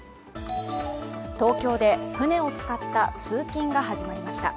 東京で船を使った通勤が始まりました。